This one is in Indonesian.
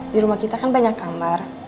di rumah kita kan banyak kamar